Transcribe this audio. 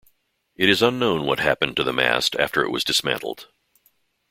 It is unknown what happened to the mast after it was dismantled.